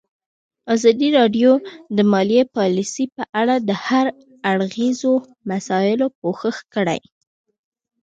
ازادي راډیو د مالي پالیسي په اړه د هر اړخیزو مسایلو پوښښ کړی.